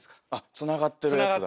つながってるやつ。